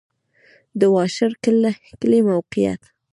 د واشر کلی موقعیت